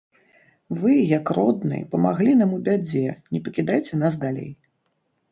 Вы, як родны, памаглі нам у бядзе, не пакідайце нас далей.